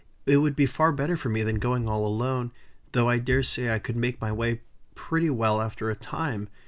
It would be far better for me than going all alone; though I dare say I could make my way pretty well after a time.